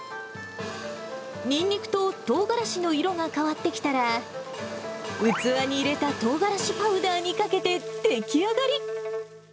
ニンニクとトウガラシの色が変わってきたら、器に入れたトウガラシパウダーにかけて出来上がり。